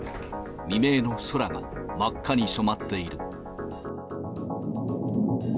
未明の空が真っ赤に染まっている。